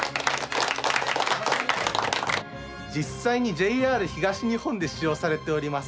実際にＪＲ東日本で使用されております